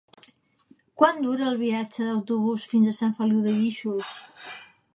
Quant dura el viatge en autobús fins a Sant Feliu de Guíxols?